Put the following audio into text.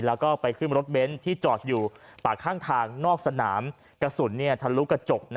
แล้วก็ไปขึ้นรถเบนท์ที่จอดอยู่ปากข้างทางนอกสนามกระสุนทะลุกระจก